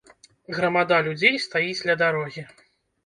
Грамада людзей стаіць ля дарогі.